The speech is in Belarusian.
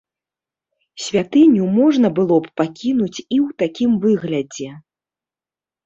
Святыню можна было б пакінуць і ў такім выглядзе.